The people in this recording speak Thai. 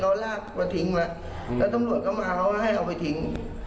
เขาลากมาทิ้งมาแล้วตำรวจก็มาให้เอาไปทิ้ง